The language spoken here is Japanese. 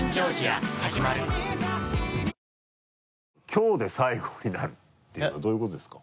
きょうで最後になるっていうのはどういうことですか？